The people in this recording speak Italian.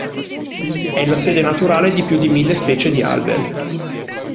È la sede naturale di più di mille specie di alberi.